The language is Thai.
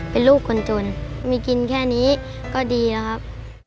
เป็นลูกคนจนมีกินแค่นี้ก็ดีแล้วครับ